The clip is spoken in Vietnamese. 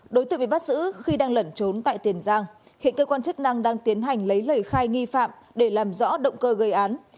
đối tượng bị bắt giữ khi đang lẩn trốn tại tiền giang hiện cơ quan chức năng đang tiến hành lấy lời khai nghi phạm để làm rõ động cơ gây án